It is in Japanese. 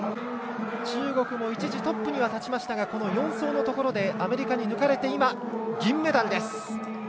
中国も一時トップに立ちましたが４走のところでアメリカに抜かれて銀メダルです。